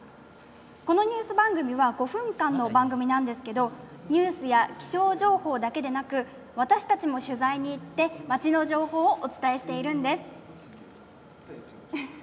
このニュース番組は５分間の番組なんですけどニュースや気象情報だけではなく私たちも取材に行って町の情報をお伝えしているんです。